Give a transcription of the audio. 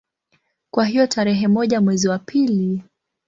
Kwa hiyo tarehe moja mwezi wa pili